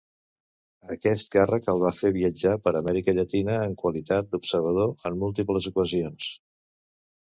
Aquest càrrec el va fer viatjar per Amèrica Llatina en qualitat d'observador en múltiples ocasions.